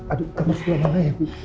aduh kamar sulamalah ya